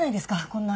こんな。